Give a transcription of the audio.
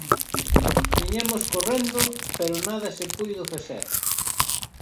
Viñemos correndo pero nada se puido facer.